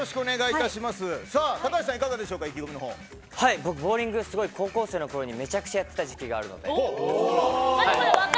僕はボウリング高校生のころにめちゃくちゃやってた時期があるので。